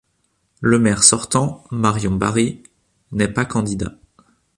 Le maire sortant, Marion Barry n'est pas candidat.